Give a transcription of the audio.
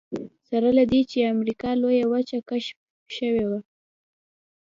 سره له دې چې امریکا لویه وچه کشف شوې وه.